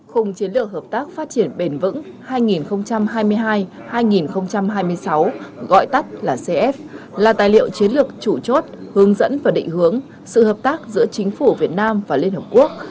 khung chiến lược hợp tác phát triển bền vững hai nghìn hai mươi hai hai nghìn hai mươi sáu gọi tắt là cf là tài liệu chiến lược chủ chốt hướng dẫn và định hướng sự hợp tác giữa chính phủ việt nam và liên hợp quốc